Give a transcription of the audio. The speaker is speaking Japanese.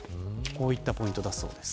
こういったポイントだそうです。